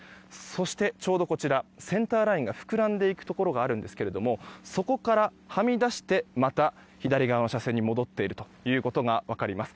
そして、ちょうどこちらセンターラインが膨らんでいくところがあるんですがそこからはみ出してまた左側の車線に戻っているということが分かります。